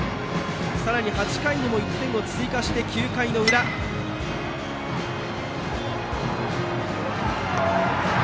さらに８回にも１点を追加して９回裏です。